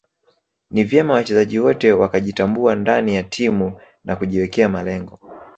Ni vyema wachezaji wote wakajitambua ndani ya timu na kujiwekea malengo